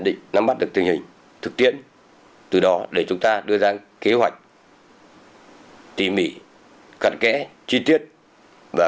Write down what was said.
định năm mặt tượng tình hình thực tiễn từ đó để chúng ta đưa ra kế hoạch tỉ mỉ khẳng kẽ chi tiết và